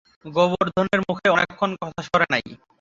গোবর্ধনের মুখে অনেকক্ষণ কথা সরে নাই।